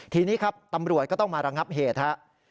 ทีนี้ครับตำรวจก็ต้องมาระงับเหตุครับ